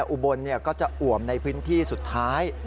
อุบลก็จะอ่วมในพื้นที่สุดท้าย